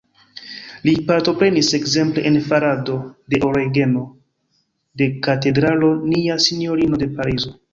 Li partoprenis ekzemple en farado de orgeno de Katedralo Nia Sinjorino de Parizo.